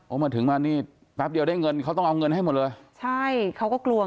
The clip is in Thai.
มาถึงมานี่แป๊บเดียวได้เงินเขาต้องเอาเงินให้หมดเลยใช่เขาก็กลัว